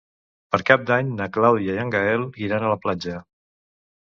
Per Cap d'Any na Clàudia i en Gaël iran a la platja.